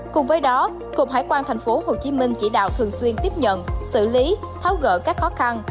cùng với đó cục hải quan tp hcm chỉ đạo thường xuyên tiếp nhận xử lý tháo gỡ các khó khăn